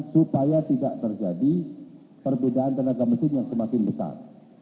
supaya tidak terjadi perbedaan tenaga mesin yang semakin besar